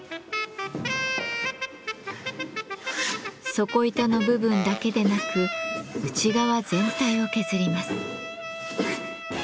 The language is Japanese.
底板の部分だけでなく内側全体を削ります。